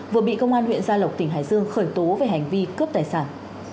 vừa bị công an huyện gia lộc tỉnh hải dương khởi tố về hành vi cướp tài sản